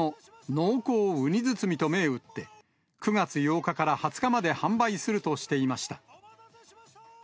濃厚うに包みと銘打って、９月８日から２０日まで販売するとしていました。